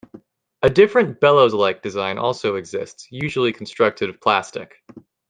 A different bellows-like design also exists, usually constructed of plastic.